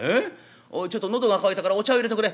おいちょっとのどが渇いたからお茶をいれとくれ」。